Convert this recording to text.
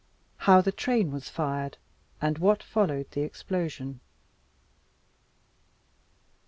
How the Train was fired, and what followed the Explosion.